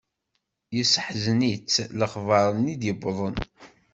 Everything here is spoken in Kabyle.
Yesseḥzen-itt lexber-nni d-yewwḍen.